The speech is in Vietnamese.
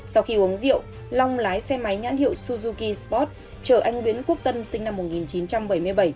sau khi uống rượu long lái xe máy nhãn hiệu suzuki sport chở anh nguyễn quốc tân sinh năm một nghìn chín trăm bảy mươi bảy